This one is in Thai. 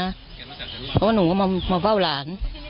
เพราะว่าหนูก็มาเฝ้าหลาน